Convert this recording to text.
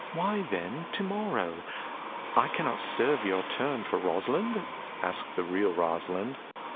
"Why, then, to morrow I cannot serve your turn for Rosalind?" asked the real Rosalind.